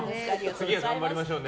次は頑張りましょうね。